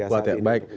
cukup kuat ya baik